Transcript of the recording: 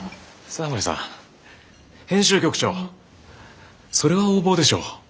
笹森さん編集局長それは横暴でしょう。